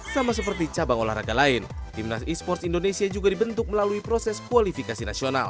sama seperti cabang olahraga lain timnas e sports indonesia juga dibentuk melalui proses kualifikasi nasional